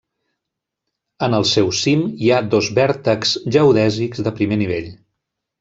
En el seu cim hi ha dos vèrtexs geodèsics de primer nivell.